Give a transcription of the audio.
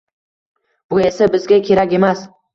Bu esa bizga kerak emas.